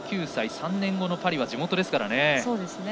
３年後のパリは地元ですからね。